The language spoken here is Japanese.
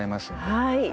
はい。